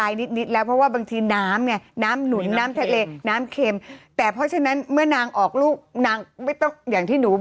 อย่างที่หนูบอกคนไปจองเราเลย